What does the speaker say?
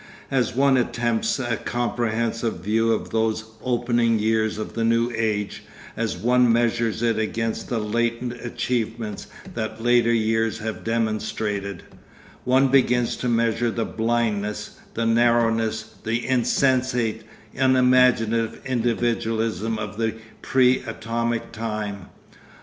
As one attempts a comprehensive view of those opening years of the new age, as one measures it against the latent achievement that later years have demonstrated, one begins to measure the blindness, the narrowness, the insensate unimaginative individualism of the pre atomic time.